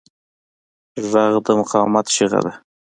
غږ د مقاومت چیغه ده